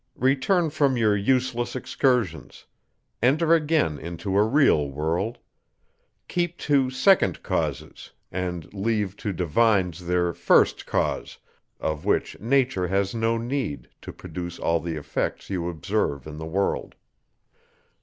Return from your useless excursions; enter again into a real world; keep to second causes, and leave to divines their first cause, of which nature has no need, to produce all the effects you observe in the world.